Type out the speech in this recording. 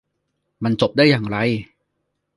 มันจบได้อย่างไร